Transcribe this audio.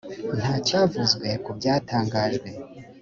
nta cyavuzwe ku byatangajwe.